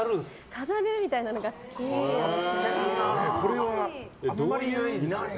飾るみたいなのが好きなんですよね。